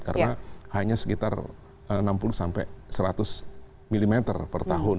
karena hanya sekitar enam puluh sampai seratus mm per tahun